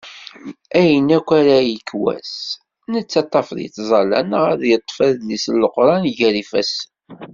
Ayen akk ara yekk wass netta ad tafeḍ yettẓala neɣ ad yeṭṭef adlis n leqran gar yifasen.